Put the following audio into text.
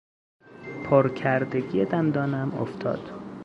پر کردگی دندانم افتاد.